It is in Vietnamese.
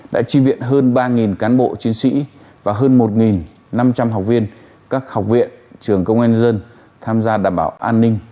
đã chi viện hơn ba cán bộ chiến sĩ và hơn một năm trăm linh học viên các học viện trường công an dân tham gia đảm bảo an ninh